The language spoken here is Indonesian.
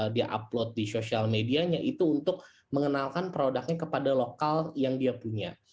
dia upload di sosial medianya itu untuk mengenalkan produknya kepada lokal yang dia punya